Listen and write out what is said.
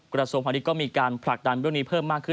กรสบภัณฑ์ดีก็มีการผลักดันเรื่องนี้เพิ่มมากขึ้น